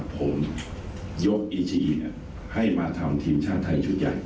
ผมยกอีทีให้มาทำทีมชาติไทยชุดใหญ่